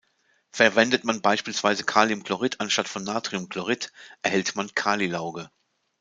Verwendet man beispielsweise Kaliumchlorid anstatt von Natriumchlorid, erhält man Kalilauge.